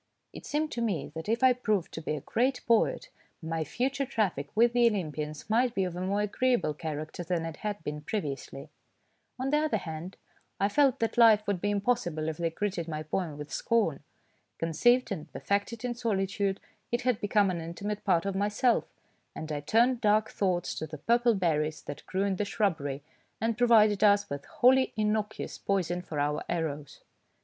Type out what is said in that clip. It seemed to me that if I proved to be a great poet, my future traffic with the Olympians might be of a more agreeable character than it had been previously. On the other hand, I felt that life would be impossible if they greeted my poem with scorn. Conceived and per fected in solitude, it had become an inti mate part of myself, and I turned dark thoughts to the purple berries that grew in the shrubbery, and provided us with wholly innocuous poison for our arrows.